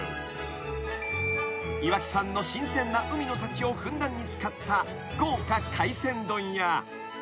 ［いわき産の新鮮な海の幸をふんだんに使った豪華海鮮丼や］